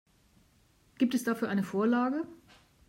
Gibt es dafür eine Vorlage?